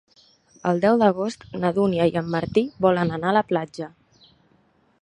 El deu d'agost na Dúnia i en Martí volen anar a la platja.